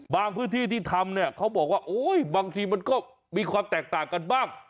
พื้นที่ที่ทำเนี่ยเขาบอกว่าโอ้ยบางทีมันก็มีความแตกต่างกันบ้าง